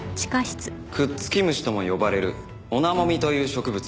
くっつき虫とも呼ばれるオナモミという植物です。